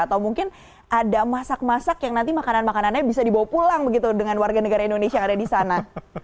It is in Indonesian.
atau mungkin ada masak masak yang nanti makanan makanannya bisa dibawa pulang begitu dengan warga negara indonesia yang ada di sana